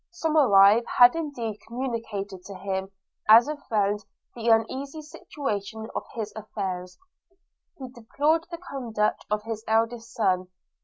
Somerive had indeed communicated to him, as a friend, the uneasy situation of his affairs, and deplored the conduct of his eldest son.